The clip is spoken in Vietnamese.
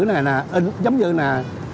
này là ính giống như là